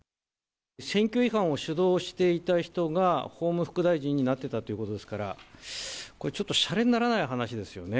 選挙違反を主導していた人が法務副大臣になってたってことですから、これちょっとしゃれにならない話ですよね。